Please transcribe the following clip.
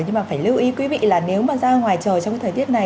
nhưng mà phải lưu ý quý vị là nếu mà ra ngoài trời trong cái thời tiết này